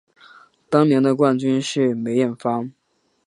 当年的冠军是梅艳芳。